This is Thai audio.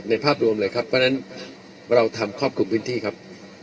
ภาพรวมเลยครับเพราะฉะนั้นเราทำครอบคลุมพื้นที่ครับ